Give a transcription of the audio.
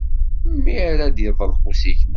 Mi ara d-iḍelq usigna.